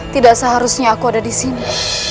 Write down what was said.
tidak seharusnya aku ada disini